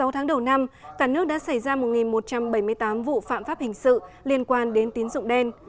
sáu tháng đầu năm cả nước đã xảy ra một một trăm bảy mươi tám vụ phạm pháp hình sự liên quan đến tín dụng đen